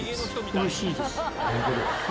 おいしいです。